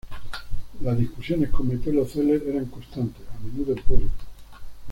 Las discusiones con Metelo Celer eran constantes, a menudo en público.